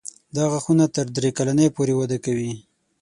دا غاښونه تر درې کلنۍ پورې وده کوي.